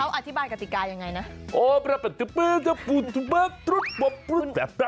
เขาอธิบายกติกาอย่างไรนะ